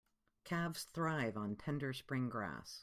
Calves thrive on tender spring grass.